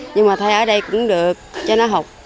nhưng mà thay ở đây cũng được cho nó học